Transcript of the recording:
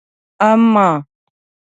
اما